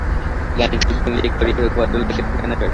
আগামীকাল তুমি যে করেই হোক, ভদ্রলোকের ঠিকানা বের করবে।